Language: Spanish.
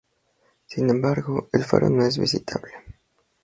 Sin embargo, el faro no es visitable.